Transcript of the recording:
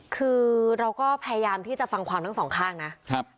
คือเราก็พยายามที่จะฟังความทั้งสองข้างนะครับ